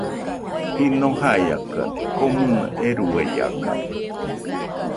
Jɨno baiakade, komɨnɨ eruaiakade.